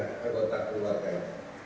dan juga dapat mengurangi tingkat kematian